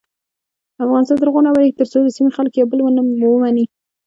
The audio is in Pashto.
افغانستان تر هغو نه ابادیږي، ترڅو د سیمې خلک یو بل ومني.